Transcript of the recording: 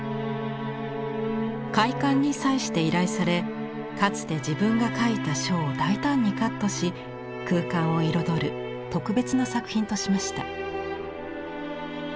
開館に際して依頼されかつて自分が書いた書を大胆にカットし空間を彩る特別な作品としました。